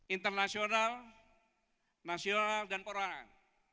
internasional nasional dan perwarnaan